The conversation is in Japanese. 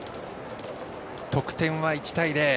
得点は１対０。